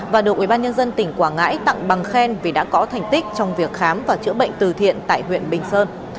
và được ubnd tỉnh quảng ngãi tặng bằng khen vì đã có thành tích trong việc khám và chữa bệnh từ thiện tại huyện bình sơn